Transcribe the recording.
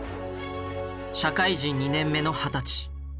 社会人２年目の二十歳。